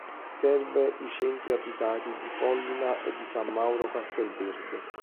Serve i centri abitati di Pollina e di San Mauro Castelverde.